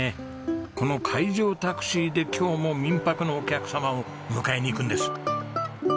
この海上タクシーで今日も民泊のお客様を迎えにいくんです。